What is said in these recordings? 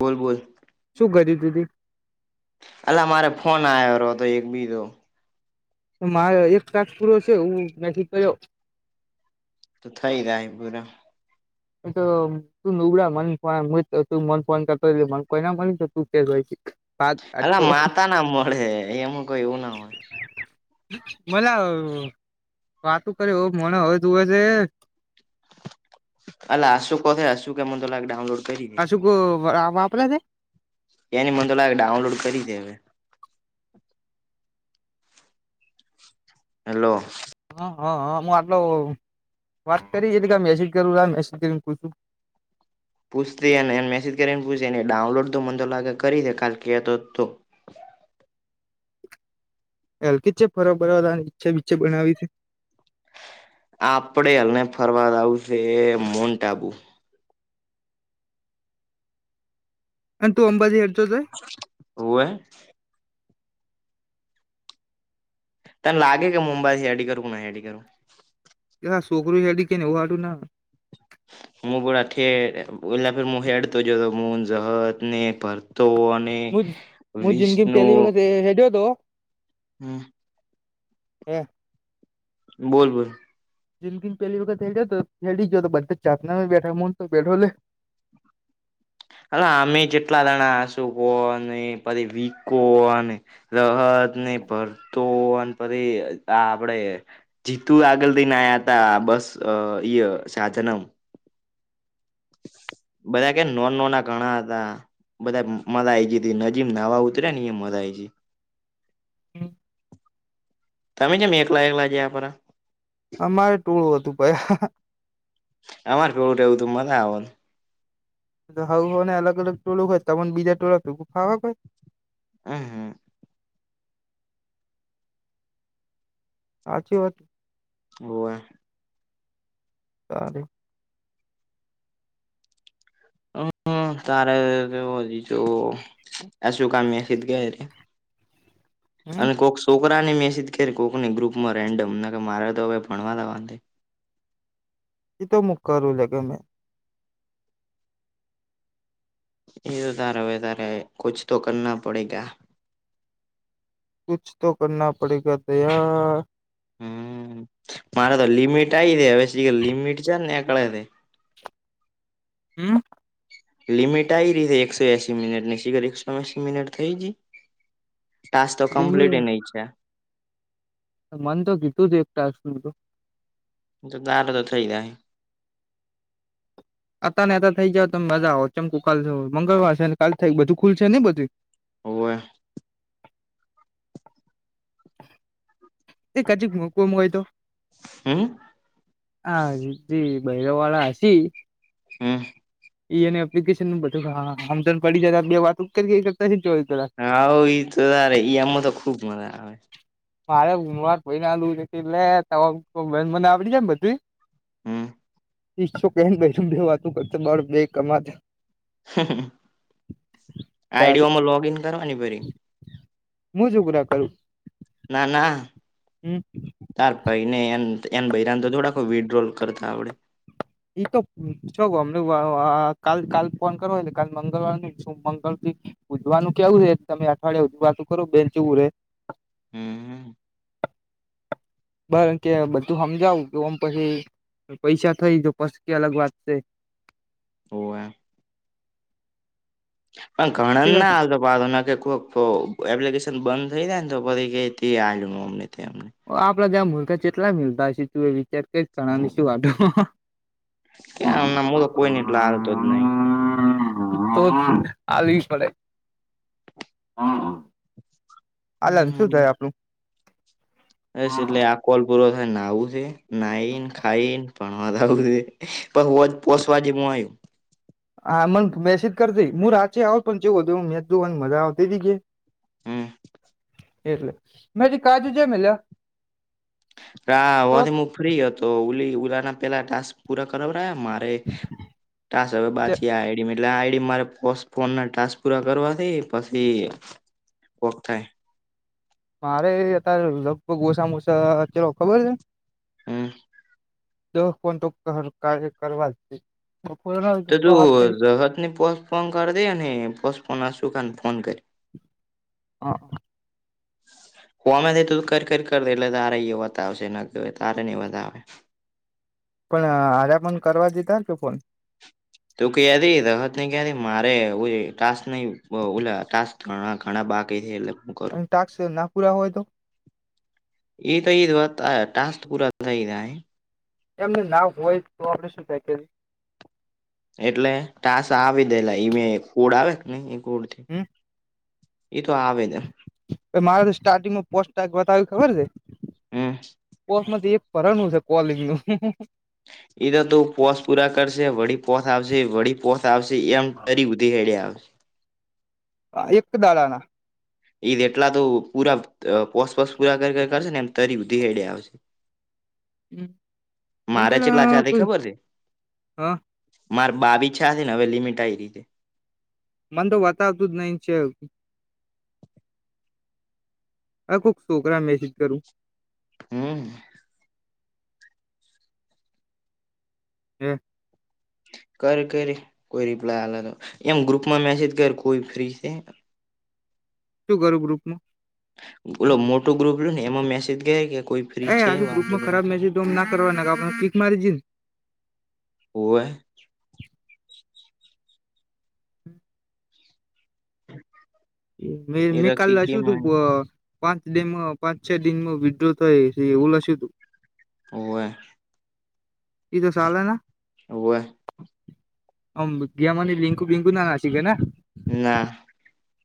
બોલ બોલ. શું કર્યું દીધી. અલા મારે ફોન આવ્યો રહ હતો એક બીજો. તો મારે એક કઠ પૂરો છે એું મેથી કયો. તો થઈ જ બુરા. એ તો. તું નળ મ મ ફન કરતો મ કોઈ મળ ત. અલા માતાના મળે એ એમ કોઈ એવુંના હોય. મલા વાતું કર હો મને હોય તું હો છે. હાલે આસો કથે આસશ ક કેમન લ ડાઉનલોડ. કરી દે અશુક વાપરા છે. એની મ તો લાગ ડાઉનલોડ કરી દેવે. હલો. હા હં હા હું આટલો વાટસ કરી એ હતીલે કે મેસેજ કરું આ મેસેજ કરીને પૂછું. પૂછતી અને એને મેસેજ કરીને પૂછ અનેને ડાઉનલોડ તો મને લાગે કરી દે કાલ કહેતો તો. એલ કે છે ફરબ બર ઈચ્છા બે બનાવી છે. આપડે હને ફરવાદ આવશે મોન્ટ આબુ. અને તું અંબજી હેડો જ છે. ઓ એ. ત લાગે કે મુુંબત હ એડી કરું એડી કરું. હા છોકરોું છેડી કેનેવું વાડું ના. હું પ ઠેર એ હ હેડતો જતો મનત ને કરરતો. મુ મુ જિંદગી પહેલી વખત હેડ્યો હતો. હમ હમ. બોલ બોલ. જિકિન પહેલી વખત હેડે બતા ચાતના બેઠ મન તો બેઠોલે. અ અમે જેટલા દણા આસુ હો ને પછી વીક હો. રહદ નહી ભરતો અને પછી આ આપડે. જીતુ આગળ દઈને આવ્યા ત બસ અ ઈ શાહજનમ. બધા કે નોન નો ના ઘણા હતા. બધા મલા આઈ ગ નજીમ નાહવા ઉતરે ને એ મરાજ. [inaudible] તમે જેમે એકલા એકલા જયા પરરા. અમારે ટોળું હતું ભાઈ. અમાર કેવું રહેવ તું મજા આવ. હું હો ને અલગ અલગ ટોળક હોય તો પણ બીજા ટોળક ખાવાક હોય. હ હા. સાચું વાતું. હવે. સાર. હ તારે હજી જો આશું કામી આી ગ. હમ અમે કક. છોકરાને મેસેજ કરી કોકને ગ્રપમાં રેન્ડમને કે મારે તો હવે ભણવાના વાંધે. એ તો મુ કરું લ કે મેં. એ તારવે તારે કોચ તો કરના પડેગા. કછ તો કરના પડેગ બાહ્ય. હમ મારે તો લિમિટ આઈ હવેી લિમિટ છે ને એ કળ. હમ. લિમિટ આ રીતે એકસો એસી મિનિટની શિગર એકસો એસી મિનિટ થઈ ગઈ. ટાસ્ક તો કમ્પ્લીટ લિમિટ નઈ થયા. મન તો કીધુ જે, એકતા શું તો તો તાર તો થઈ જાહે. અતા નેતા થઈ જાવ ત તમે મજા હોત કેમ કે કાલ તો મંગળવાર છેને કાલ થાય બધું ખુલસે નઈ બધું હવે. તે કજીીક મકવામાં હોય તો. હમ. હ દી બૈરો વાળ આસી. હા. એ એપ્લિકેશન બ હ હમ પડીજ બે વાત કરતા ચોવીસ તલાક. હા હવ ઈ તો તારે ઈ આમાંતો ખુબ મજા આવે. મારે હમવાર ભય નાલ એટલે મ આવડી જાય ને બધ. હમ. ઈો કે બે વાતો કરતો બ બે કમાતા. તારે આઈડીઓમાં લોગ ઇન કરવાની પેરી. હું છગુરા કરું. ના ના. હમ. ચાલ કઈનની એમ એમ બયરાને તો થોડાક વિડ્રોલ કરતા આવડે. [inaudible] જોઉ અમને વાઅ વાઅ કાલ કાલ ફોન કરવો હોય ને કાલ મંગળવાર ને શુભ મંગલ તીથી ઉજવાનું કેવું રે, તમે અઠવાડિયાય ઉપવાસુ કરો બેચવું રે હમ, બ કે બધું હમજાવું જોમ પહી પૈસા થઈ તો પસ કઈ અલગ વાત કરીએ હો અ અ ઘણન છે ના આઞ વાલોને કોક એપ્લિકેશન બંધ થઈ જાય ને તો પરી આ અમને તીયા આપડા ત્યાં મુલકા જેટલા મીલતા હશે તું એ વિચાર કરી ઘણા શું વાધો કયા હમણા મુલો કોઈ ને એટલા હાલતો જ નહી તો જે આવી પડે આલન શું થાય આપણું હાઈસ, એટલે આ કોલ પૂરો થાય નાવું છે, નાહી ને ખાઈને ભણવા જાવુ શે પહુવોજ પોસવા જેમું મોહે હા, મને મેસેજ કરી થી, હું રાત આવ પણ જેવું હતું મેચ જોવાની મજા આવતી અતી કે હમ, એટલે મેજી કાજુ જે મેલ્યો રા હોથી, હું ફ્રી હતો ઓલી ઉલાના પેલા ટાસ્ક પૂરા કરાવરાયાના મારે કાસ બાથીયા એ એટલે આ આઈડી મારે ફોસ ફોન ના ટાસ્ક પૂરા કરવાથી પછી કોક થાય. મારે અત્યારે લગભગ ઓછામાં ઓછા ચલો ખબર છે. હમ, દહ પણ તો કાર્ય કરવા છે. બપોરના તો સો હાથ કરી તું જતને પોસ્ટફોન કરી દેને પોસ્ટપોન ના શું કને ફોન કરી. અહ, કોનાથી થયુ ત કર કર કર દે એટલે તારે બતાવશે નકર તારે નહીબતાવે પણ હારે પણ કરવા કીધાને તોફોન તો કયાથી રહત ક્યાંથી મારે ઓય ટાસ્ક નહી બ ઓલા ટાસ્ક હા, ઘણા બાકી છે, એટલે હું કરું ટાક્સના પૂરા હોય તો? એ તો ઈવા ટાસ્ પુરા થઈ જાય એમનું ના હોય તો આપડે શું થએ. એટલે ટાસ આવી દેલા એ મે કુળ આવે ને એ કુડથી. હમ એતો આવે ને. મારે તો સ્ટાર્ટિંગમાં પોસ્ટક બતાવ્યું ખબર છે. હમ પોસ મથી એક પરણું છે, કોલિંગનું એ તો તુ પોસ પૂરા કરશે વળી પોથ આવશે, વળી પોથ, આવશે એમ કરીયુ ફ્રી આડીયા આવે હ, એક દાળાના એઈ એટલા તો પૂરા પોસપસ પૂરા કરી લાયખાશે ને એમ તરીધી હેડે આવશે મને તો મારે કેટલા થયા તે કોઈ ખબર છે. હા માર બાબીછા છે ને અવે લિમિટ આઈ ગઈ છે. મને તો બતાવતું જ નઈ છે. હ, કોક છોકરા મેસેજ કરું હમ, હ, કર કર કોઈ રિપ્લાય આલે તો એમ ગ્રુપમાં મેસેજ કર કોઈ ફ્રી છે. શું કરુ ગ્રુપમાં? બલો મોટો ગ્રુપ ને એમાં મેસેજ ગયા કે કોઈ. ફ્રી એ છે આજુ વાતો ગ્રુપમાં ખરાબ કરવા મેસેજ તોમ ના કરવા નાગ આપે ક્લિક મારી દ જ ને. બોલ. એ તો કાલ કીકી હશું તું. મારી પાંચ ડેમાં પાંચ છ દિનમાં વિડ્રોહ થાય એવું લસ્યું હતું. ઓવે. એ તો સલના. હવે. અમ ગ મને લીંકુ બીંકુ ના ના શી ગે. ના.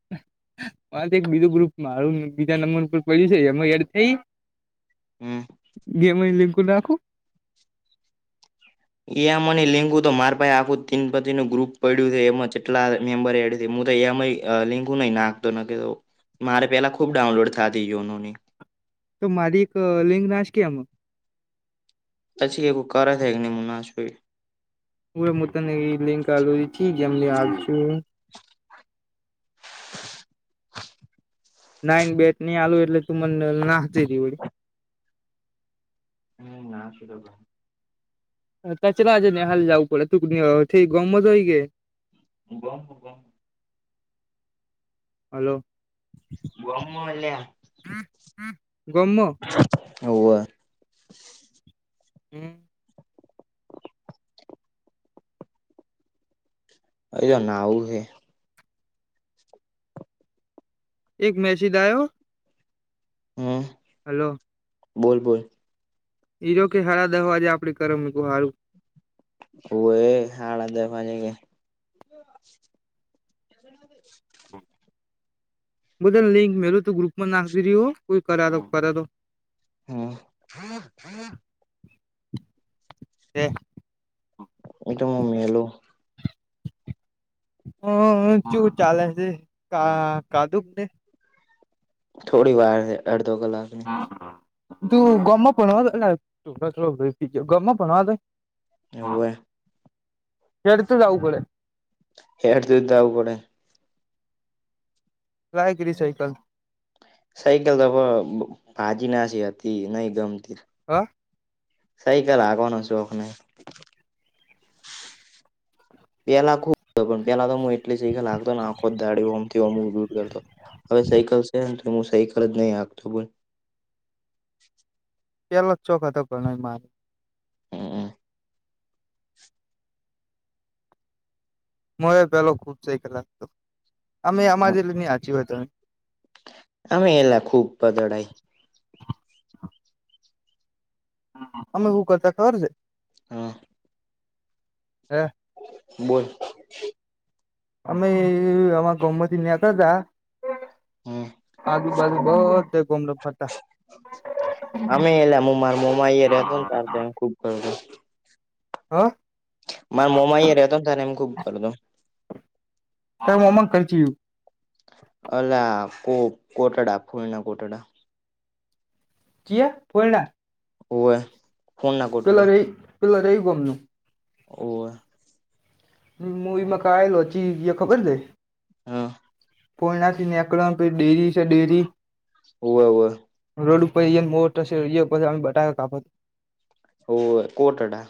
હ. મા એક બીજો ગ્રુપ મારું બીજા નંબર ઉપર પડ્યું છે એડ થઈ. હમ. ગેમ લીંકુ નાખું. એમ આઈ ની લિંક તો મારા પાસે આખું તીન પતિ નું ગ્રુ પડ્યું એમાં જેટલા મેમ્બરે એડ્યું હું તોમઈ. લિંકું નઈ નાખતો ન મારે પેલા ખુબ ડાઉનલોડ થતી નોની. તો મારી એક લિંગ નાશકી એમાં. અછી એવું કરાય ને [unintelligible] મુ તને ઈ લિંક આલુ જેમ હાલુ છું. નાઈન બેટ નઈ આલુ એટલે તું મને નાખતી ડ્યુ હમ્મ ના શું તો પણ અતાર કેટલા વાજે નેહાલ જાવું પડે તું થી ગોમ માં હોઈ કે. [unintelligible] હલ્લો. ગોમમાં હોય લ્યા ગમમાં હોવે હમ્મ. અર્યા નાઉ હે એક મેસિદ આયો. હા. હલો. બોલ બોલ. ઈરો કે હારા દ વાજે આપડે કરુ મેં કીધું હારું. હો એ હાડા દ વાગે કે. [inaudible] મુ તને લિંક મેલું તું ગ્રુપ માં નાખી દિયો હો કોઈ કરાવો કર તો. હા. તે. એતો મા મેલું. હમ્મ હમ્મ ચું ચાલે છે કા ખાધુક ને. થોડી વાર હે અડધો કલાક ની. તું ગોમ માં ભણાવા આ પેલો ભઈ કયો ગયો ભણાવા જાય હોવે હ હેડ તો જવું પડે. હેડ તો જાઉં પડે. રાય કરી સાયકલ. સાયકલ તો ભાજી નાસી હતી નહી ગમતી. હા. સાઈકલ હાંકવાનો શોખ નહી. પેલા ખુબ પણ પેલા તો હું એટલી સાઇકલ હાકતો આખો. ગાડી ઓમ થી ઓમ ઉડ ઉડ કરતો હવે સાયકલ છે ને તો હું સાયકલ જ નહી હાખતો બોલ પેલોજ ચોખ હતો ઘણો માર હમ મોએ પેલો ખુબ સાઇકલ હાંકતો અમે અમા જેટલી નહી હા હોય તમે. આમે એલા ખુબ પદળાઈ અમે શું કરતા ખબર છે. હા. હા. બોલ. અમે અમા ગોમમાંથી નેકળતા હમ આજુબાજુ બધે ગોમડે ફરતા અમે એલા મો મામો ઈયા રેતો ને તાર તો ખુબ. હા. માર મોમ ઈઅ રહેતો ને તાર ને એમ ખુબ કરતો તાર મોમાં ન ઘર ચિયુ અલા કો કોટાડા ફૂલણા કોટડા. કિયા પોઈણા. હોવે ફૂલના પિલર કોટડા એ પિલરે એ ઘુમનું. ઓર. મુુંઈ મકા આલ અચી જે ખબર છે. હા. ફઈ નાથી નીકળ પ ડેરી છે ડેરી. હોવે હો. રોડ ઉપર મોટશે બટાકાાપ. ઓ કોટડા.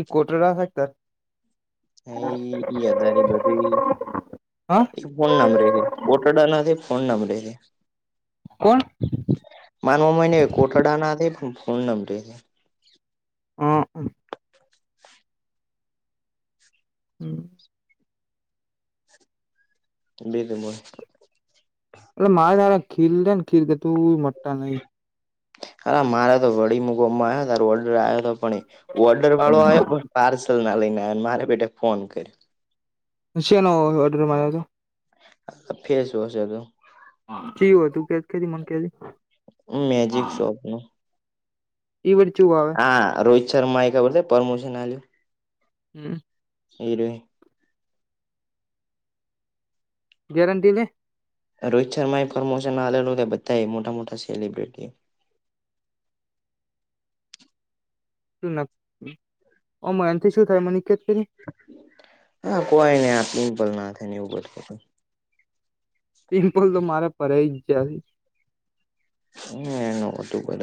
એ કોટરા રાસ આકતર. હ ઈ અગની બધી. ફોન નંબરે છે કોટડાનાથી ફોન નંબરે છે. કોણ. માનવામાંને કોટાડા ના થ પણ ફોન નંબ. હ. હમ. [unintelligible] એટલે મારે દાારડા ખીર દન ખીર કે તું મોટા નહી. હરા મારા તો વડી મુ ગમાં આવ્યા તો ઓર્ડર આવ્યો હતો. પણ ઓર્ડર વાળો આવ પણ પાર્સલ ના લઈને આવ મારે પટે ફોન કર્યો છેનો ઓર્ડર માર્યો હતો ફેસ વોશ. જીવું હતું કે કે મ કેલી. મેજિક શોપ નું. વર ચું વા. હા રોહિત શર્મા આ કબતે પરમોશન આલ. હમ. હિરોઈને. ગેરંટી લે. રોહિત શર્મા એ પ્રમોશન આલું બધા મોટા મોટા સેલિબ્રિટી. મ એનથી શું થાય મનકેત કરી. હા કોઈ નહી આ પમ્પલ ના થાય એવું બ. પિમ્પલ તો મારે પરે જ જાય. હ એ નટું બર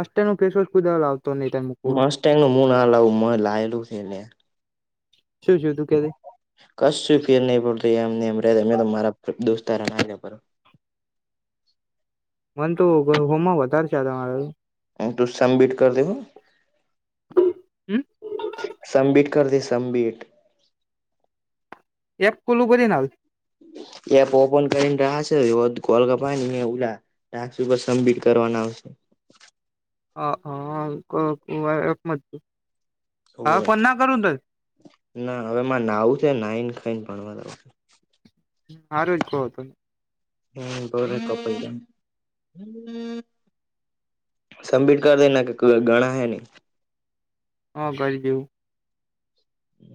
અસ્ટ નું કેશવ કુજા લ આવતો નહી તને મસ્ત એ ન મું ના લાવું મ લાવેલું છે એને શું છે તું કેતી કશ ફેર નહીલ રહીમ તો મારા દોસ્ત મને તો હોમમાં વધારે છે ત મારા તું સબમિટ કર દેવ હમ સમબીટ કર દે સમબીટ એપ કોોલું કરી ના એપ ઓપન કરીને રહ્યા છે કોલ કપાય ઉલા ટર સમપિટ કરવાના આવશે હ હ મ હા હોવે પના કરું દ ના હવે મા નાવું છે નાઈને ખાઈને ભણવા લાવ હમ આરોગ્ય કો હોતને. [inaudible] સંબીટક [unintelligible] એના કે ગાણા [unintelligible] હ કરી દું હમ